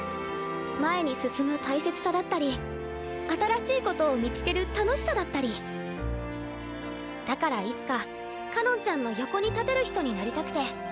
前に進む大切さだったり新しいことを見つける楽しさだったりだからいつかかのんちゃんの横に立てる人になりたくて。